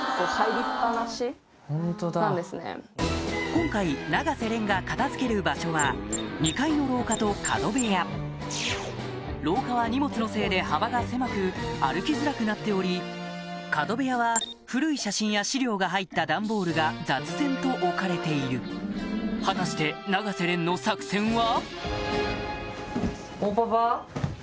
今回永瀬廉が片付ける場所は２階の廊下と角部屋廊下は荷物のせいで幅が狭く歩きづらくなっており角部屋は古い写真や資料が入った段ボールが雑然と置かれている果たして永瀬廉の作戦は？